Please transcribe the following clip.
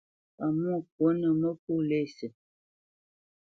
Pamwô kwô nǝ mǝkó lésî.